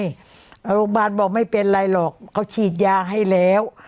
โรงพยาบาลบอกไม่เป็นไรหรอกเขาฉีดยาให้แล้ว